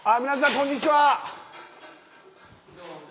こんにちは。